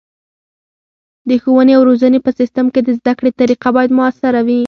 د ښوونې او روزنې په سیستم کې د زده کړې طریقه باید مؤثره وي.